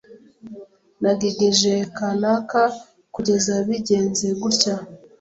‘nagigije kanaka kugeza bigenze gutya’